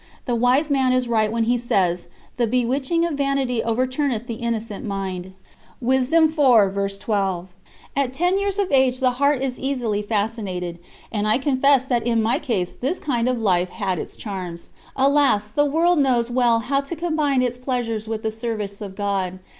The Wise Man is right when he says: "The bewitching of vanity overturneth the innocent mind." At ten years of age the heart is easily fascinated, and I confess that in my case this kind of life had its charms. Alas! the world knows well how to combine its pleasures with the service of God.